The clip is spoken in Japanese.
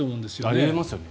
あり得ますよね。